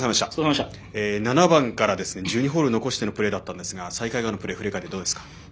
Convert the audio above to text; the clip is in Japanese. ７番から１２ホール残してのプレーだったんですが再開後のプレー振り返って、どうでしたか？